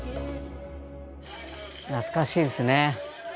懐かしいですね。